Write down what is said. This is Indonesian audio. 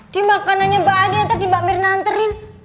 di makanannya mbak andi yang tadi mbak mir nanterin